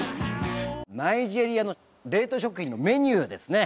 ナイジェリアの冷凍食品のメニューですね。